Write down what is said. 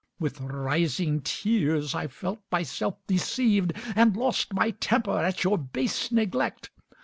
With rising tears I felt myself deceived And lost my temper at your base neglect.